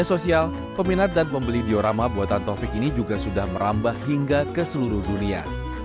untuk mengembangkan karya taufik peminat dan pembeli diorama buatan taufik ini juga sudah merambah hingga ke seluruh dunia